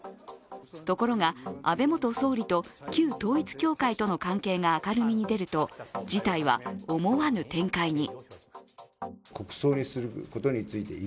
ところが、安倍元総理と旧統一教会との関係が明るみに出ると事態は思わぬ展開に。